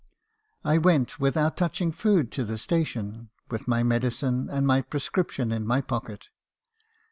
I went, without touching food, to the station, with my medicine and my prescription in my pocket.